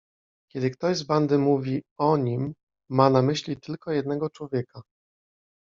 "Kiedy ktoś z bandy mówi o „nim“, ma na myśli tylko jednego człowieka."